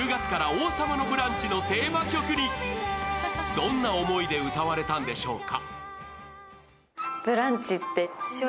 どんな思いで歌われたんでしょうか？